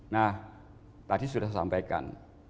nah tadi sudah saya sampaikan